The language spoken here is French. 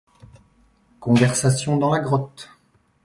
Conversation dans la grotte.